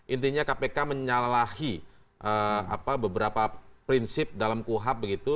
intinya kpk menyalahi beberapa prinsip dalam kuhab begitu